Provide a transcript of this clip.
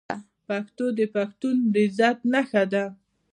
پښتو د پښتون د عزت نښه ده.